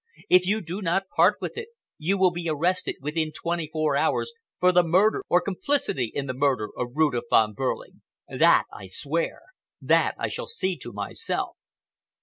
If you do not part with it, you will be arrested within twenty four hours for the murder or complicity in the murder of Rudolph Von Behrling! That I swear! That I shall see to myself!"